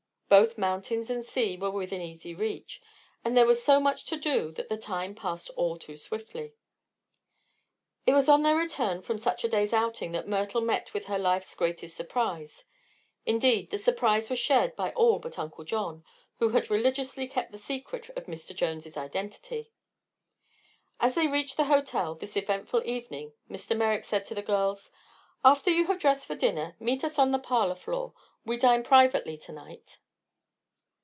Both mountains and sea were within easy reach, and there was so much to do that the time passed all too swiftly. It was on their return from such a day's outing that Myrtle met with her life's greatest surprise. Indeed, the surprise was shared by all but Uncle John, who had religiously kept the secret of Mr. Jones' identity. As they reached the hotel this eventful evening Mr. Merrick said to the girls: "After you have dressed for dinner meet us on the parlor floor. We dine privately to night."